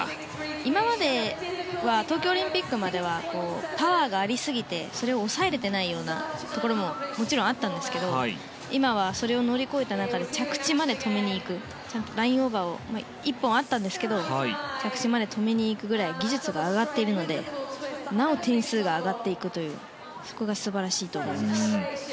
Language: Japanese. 今までは東京オリンピックまではパワーがありすぎて、それを抑えられていなかったんですが今はそれを乗り越えた中で着地まで止めに行くちゃんとラインオーバー１本あったんですが着地まで止めに行くぐらい技術が上がっているのでなお点数が上がっていくというそこが素晴らしいと思います。